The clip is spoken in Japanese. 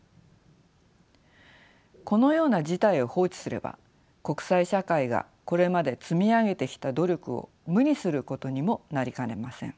このような事態を放置すれば国際社会がこれまで積み上げてきた努力を無にすることにもなりかねません。